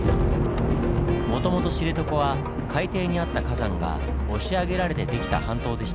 もともと知床は海底にあった火山が押し上げられて出来た半島でしたよね。